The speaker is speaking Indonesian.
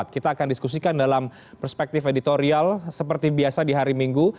kita akan diskusikan dalam perspektif editorial seperti biasa di hari minggu